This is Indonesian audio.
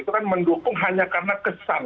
itu kan mendukung hanya karena kesan